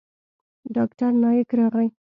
ډاکتر نايک راغى.